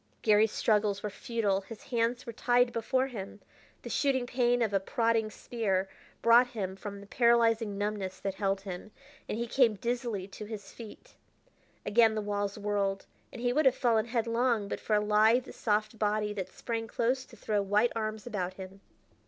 Garry's struggles were futile; his hands were tied before him. The shooting pain of a prodding spear brought him from the paralyzing numbness that held him, and he came dizzily to his feet. Again the walls whirled, and he would have fallen headlong but for a lithe, soft body that sprang close to throw white arms about him.